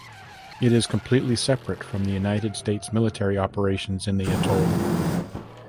It is completely separate from the United States military operations in the atoll.